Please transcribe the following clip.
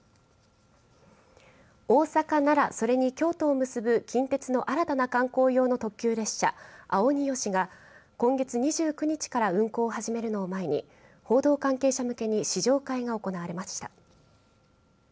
大阪、奈良、それに京都を結ぶ近鉄の新たな観光用の特急列車あをによしが今月２９日から運行を始めるのを前に報道関係者向けに試乗会が行われました。